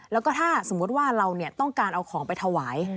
แล้วก็ถ้าสมมุติว่าเราต้องการเอาของไปถวาย